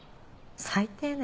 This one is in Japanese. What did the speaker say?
最低ね。